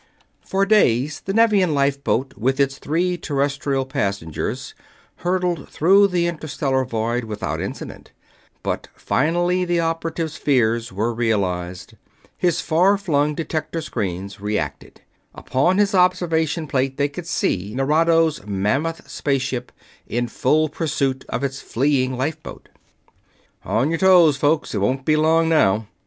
For days the Nevian lifeboat with its three Terrestrial passengers hurtled through the interstellar void without incident, but finally the operative's fears were realized his far flung detector screens reacted; upon his observation plate they could see Nerado's mammoth space ship, in full pursuit of its fleeing lifeboat! "On your toes, folks it won't be long now!"